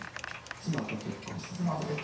妻と結婚した。